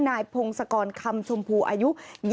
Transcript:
นายพงศกรคำชมพูอายุ